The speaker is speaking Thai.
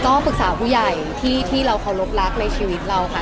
ก็ปรึกษาผู้ใหญ่ที่เราเคารพรักในชีวิตเราค่ะ